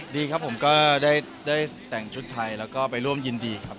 ดีครับผมก็ได้แต่งชุดไทยแล้วก็ไปร่วมยินดีครับ